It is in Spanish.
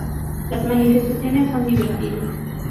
las manifestaciones son divertidas